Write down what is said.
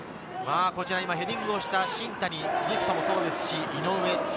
ヘディングをした新谷陸斗もそうですし、井上斗嵩。